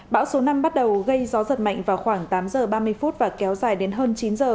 bão số năm bắt đầu gây gió giật mạnh vào khoảng tám h ba mươi và kéo dài đến hơn chín h